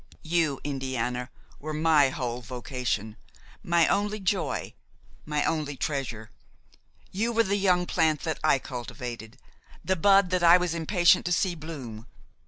You, Indiana, were my whole vocation, my only joy, my only treasure; you were the young plant that I cultivated, the bud that I was impatient to see bloom.